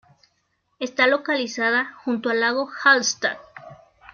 Está localizada junto al lago Hallstatt.